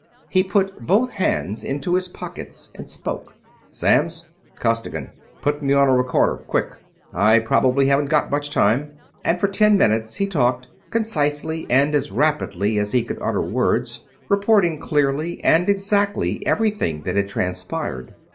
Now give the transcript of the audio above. He put both hands into his pockets and spoke. "Samms? Costigan. Put me on a recorder, quick I probably haven't got much time," and for ten minutes he talked, concisely and as rapidly as he could utter words, reporting clearly and exactly everything that had transpired.